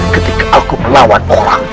ketika aku melawan orang